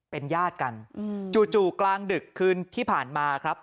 เป็นญาติกันจู่กลางดึกคืนที่ผ่านมาครับ